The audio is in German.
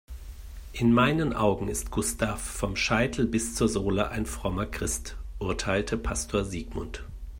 In meinen Augen ist Gustav vom Scheitel bis zur Sohle ein frommer Christ, urteilte Pastor Sigmund.